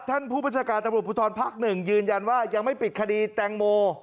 ผู้บัญชาการตำรวจภูทรภักดิ์๑ยืนยันว่ายังไม่ปิดคดีแตงโม